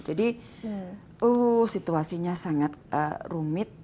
jadi situasinya sangat rumit